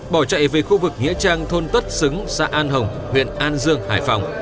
bỏ chạy về khu vực nghĩa trang thôn tất xứng xã an hồng huyện an dương hải phòng